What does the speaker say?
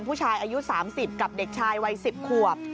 ผู้ชายอายุ๓๐กับเด็กชายวัย๑๐ขวบ